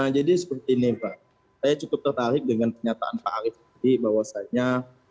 jadi seperti ini pak saya cukup tertarik dengan pernyataan pak arief tadi bahwasannya